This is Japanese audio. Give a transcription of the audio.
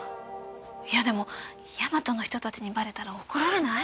いやでも大和の人達にバレたら怒られない？